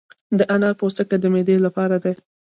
د انار پوستکي د معدې لپاره دي.